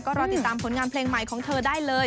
ก็รอติดตามผลงานเพลงใหม่ของเธอได้เลย